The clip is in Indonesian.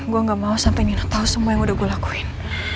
saya tidak mau sampai vina tahu semua yang sudah saya lakukan